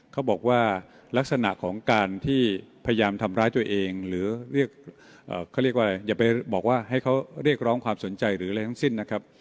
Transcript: เขาบอกว่าลักษณะของการที่พยายามทำร้ายตัวเองหรือเรียกเขาเรียกว่าอย่าไปบอกว่าให้เขาเรียกร้องความสนใจหรืออะไรทั้งสิ้นนะครับ